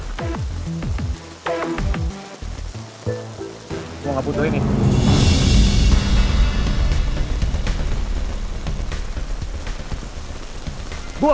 gue gak tenang sampe mereka ketemu tak